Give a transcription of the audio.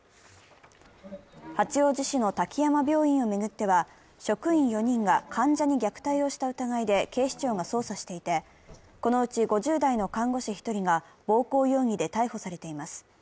八王子市の滝山病院を巡っては、職員４人が患者に虐待をした疑いで警視庁が捜査していてこのうち５０代の看護師１人が暴行容疑で逮捕されています。